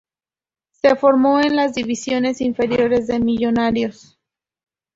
Se formó en las divisiones inferiores de Millonarios.